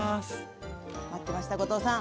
待ってました後藤さん！